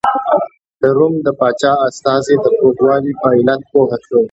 د روم د پاچا استازی د کوږوالي په علت پوه شو.